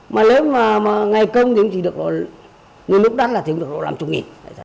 mà nếu mà ngày công thì cũng chỉ được nhưng lúc đắt là thì cũng được làm chung nghỉ